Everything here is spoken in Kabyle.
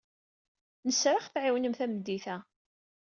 Nesra ad ɣ-tɛiwnem tameddit-a.